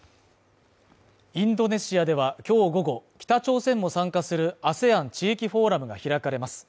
インドネシアでは今日午後、北朝鮮も参加するＡＳＥＡＮ地域フォーラムが開かれます。